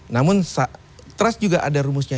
namun trust juga ada rumusnya